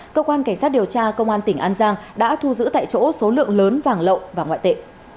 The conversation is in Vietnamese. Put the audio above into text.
cơ quan cảnh sát điều tra công an tỉnh an giang đã thu giữ tại chỗ số lượng lớn vàng lậu và ngoại tệ